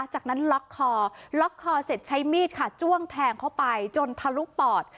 จากนั้นล็อกคอล็อกคอเสร็จใช้มีดค่ะจ้วงแทงเข้าไปจนทะลุปอด